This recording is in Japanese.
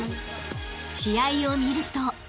［試合を見ると］